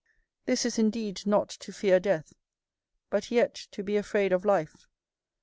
This is indeed not to fear death, but yet to be afraid of life.